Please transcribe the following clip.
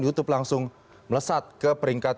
youtube langsung melesat ke peringkat tujuh puluh tujuh